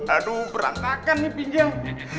aduh berantakan nih pinggang